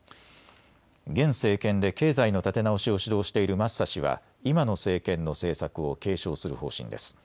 現政権で経済の立て直しを主導しているマッサ氏は今の政権の政策を継承する方針です。